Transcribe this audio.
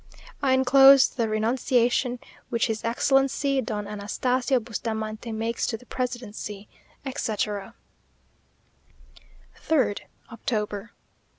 "I enclose the renunciation which His Excellency Don Anastasio Bustamante makes to the presidency," etc. 3rd October.